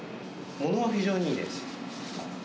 物は非常にいいです。